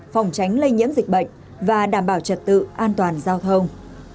phòng tránh lây nhiễm dịch bệnh và đảm bảo trật tự an toàn giao thông